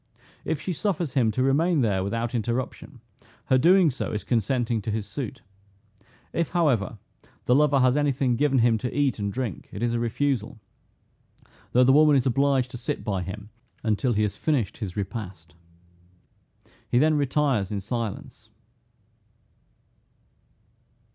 If she suffers him to remain there without interruption, her doing so is consenting to his suit. If, however, the lover has any thing given him to eat and drink, it is a refusal; though the woman is obliged to sit by him until he has finished his repast. He then retires in silence.